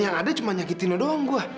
yang ada cuma nyakitin lo doang